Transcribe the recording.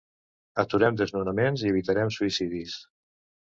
Aturem desnonaments i evitarem suïcidis.